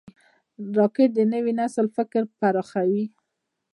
راکټ د نوي نسل فکر پراخوي